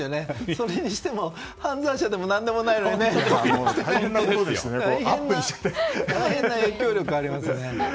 それにしても犯罪者でも何でもないのに大変な影響力がありますよね。